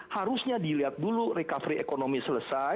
harusnya dilihat dulu recovery ekonomi selesai